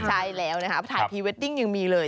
ใช่แล้วนะคะถ่ายพรีเวดดิ้งยังมีเลย